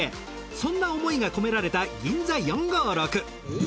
そんな思いが込められたＧＩＮＺＡ４５６。